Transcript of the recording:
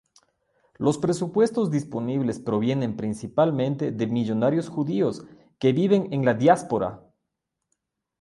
Los presupuestos disponibles provienen principalmente de millonarios judíos que viven en la diáspora.